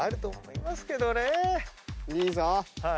いいぞ。